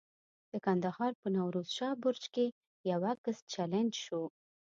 د کندهار په نوروز شاه برج کې یو کس چلنج شو.